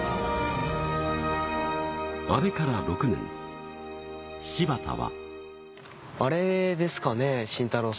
あれから６年、柴田は？